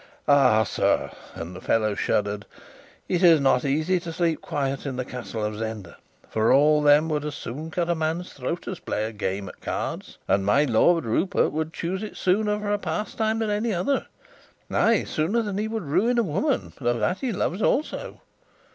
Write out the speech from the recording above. Ah, sir" (and the fellow shuddered), "it is not easy to sleep quiet in the Castle of Zenda, for all of them would as soon cut a man's throat as play a game at cards; and my Lord Rupert would choose it sooner for a pastime than any other ay, sooner than he would ruin a woman, though that he loves also."